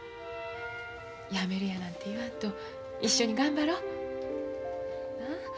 やめるやなんて言わんと一緒に頑張ろう。な？